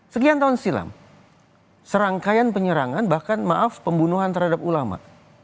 sekian tahun silam serangkaian penyerangan bahkan maaf pembunuhan terhadap ulama